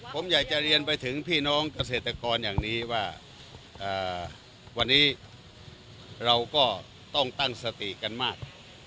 ผมอยากจะเรียนไปถึงพี่น้องเกษตรกรอย่างนี้ว่าวันนี้เราก็ต้องตั้งสติกันมาก